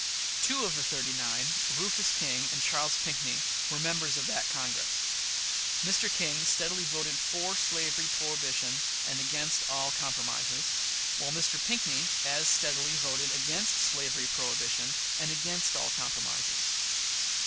Two of the "thirty nine" Rufus King and Charles Pinckney were members of that Congress. Mr. King steadily voted for slavery prohibition and against all compromises, while Mr. Pinckney as steadily voted against slavery prohibition, and against all compromises.